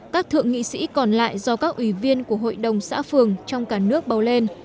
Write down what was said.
các thượng nghị sĩ còn lại do các ủy viên của hội đồng xã phường trong cả nước bầu lên